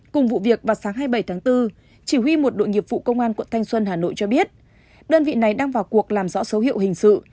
cùng vụ việc vào sáng hai mươi bảy tháng bốn chỉ huy một đội nghiệp vụ công an quận thanh xuân hà nội cho biết đơn vị này đang vào cuộc làm rõ số hiệu hình sự